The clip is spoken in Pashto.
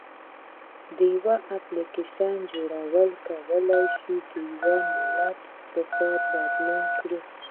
د یو اپلیکیشن جوړول کولی شي د یو ملت اقتصاد بدل کړي.